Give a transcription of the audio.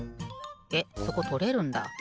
えっそことれるんだ。